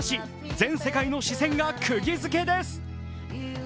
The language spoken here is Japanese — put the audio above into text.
全世界の視線がくぎづけです。